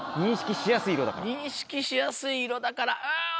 認識しやすい色だからうん！